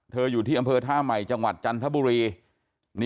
อยู่ที่อำเภอท่าใหม่จังหวัดจันทบุรี